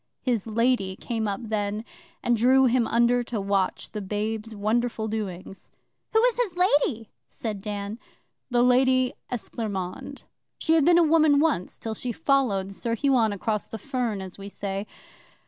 His Lady came up then, and drew him under to watch the babe's wonderful doings.' 'Who was his Lady?' said Dan. 'The Lady Esclairmonde. She had been a woman once, till she followed Sir Huon across the fern, as we say.